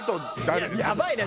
やばいね。